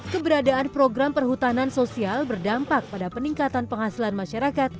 keberadaan program perhutanan sosial berdampak pada peningkatan penghasilan masyarakat